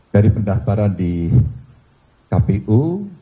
dari pendaftaran di kpu